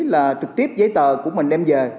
là trực tiếp giấy tờ của mình đem về